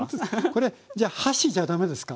これじゃあ箸じゃ駄目ですか？